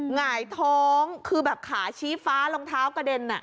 หงายท้องคือแบบขาชี้ฟ้ารองเท้ากระเด็น